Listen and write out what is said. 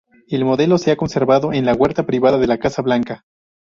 El modelo se ha conservado en la huerta privada de la Casa Blanca.